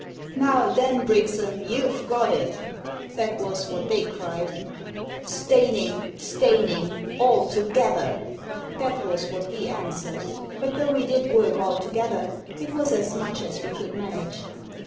" Now then, Brixham, you've got it !" That was what they cried. " Steyning ! Steyning ! All together !" That was what we answered. But though we did work all together, it was as much as we could manage.